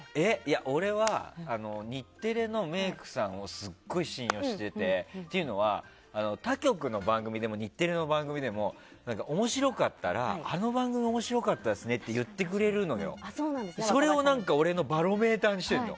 俺は日テレのメイクさんをすごい信用してて、というのは他局の番組でも日テレの番組でも面白かったらあの番組、面白かったですねって言ってくれるからそれを俺のバロメーターにしてるの。